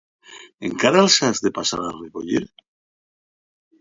Encara els ha de passar a recollir?